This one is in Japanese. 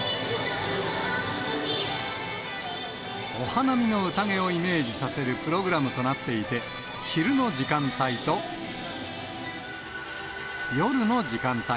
お花見のうたげをイメージさせるプログラムとなっていて、昼の時間帯と、夜の時間帯。